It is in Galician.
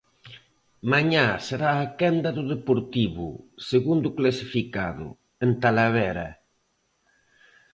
Mañá será a quenda do Deportivo, segundo clasificado, en Talavera.